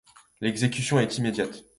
L'exécution est immédiate.